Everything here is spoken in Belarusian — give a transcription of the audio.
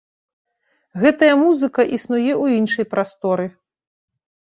Гэтая музыка існуе ў іншай прасторы.